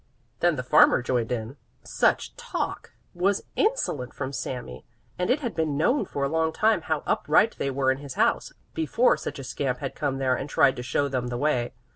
Then the farmer joined in. Such talk was insolent from Sami, and it had been known for a long time how upright they were in his house, before such a scamp had come there and tried to show them the way.